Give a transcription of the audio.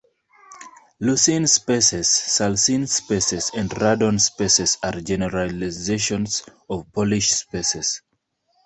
Lusin spaces, Suslin spaces, and Radon spaces are generalizations of Polish spaces.